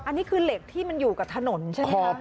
อันนี้คือเหล็กที่มันอยู่กับถนนใช่ไหมคะ